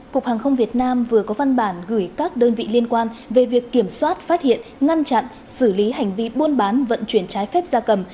cục hàng không việt nam vừa có văn bản gửi các đơn vị liên quan về việc kiểm soát phát hiện ngăn chặn xử lý hành vi buôn bán vận chuyển trái phép gia cầm